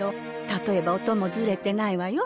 例えば音もズレてないわよ。